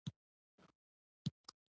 له پورته يې وارخطا ناره واورېده: خانه!